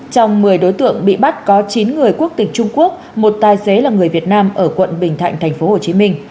trong một mươi đối tượng bị bắt có chín người quốc tịch trung quốc một tài xế là người việt nam ở quận bình thạnh tp hcm